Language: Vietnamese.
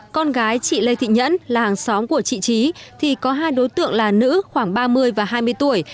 con gái chị lê thị nhẫn là hàng xóm của chị trí thì có hai đối tượng là nữ khoảng ba mươi và hai mươi tuổi